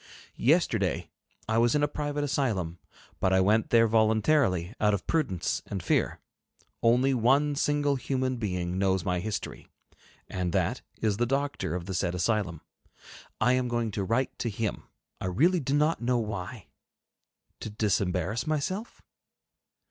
Yesterday I was in a private asylum, but I went there voluntarily, out of prudence and fear. Only one single human being knows my history, and that is the doctor of the said asylum. I am going to write to him. I really do not know why? To disembarrass myself?